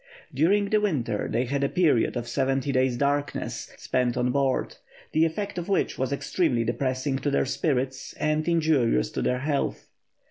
During the winter they had a period of seventy days' darkness, spent on board, the effect of which was extremely depressing to their spirits and injurious to their health.